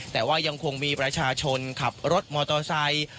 แต่ว่ายังคงมีประชาชนขับรถมอเตอร์ไซค์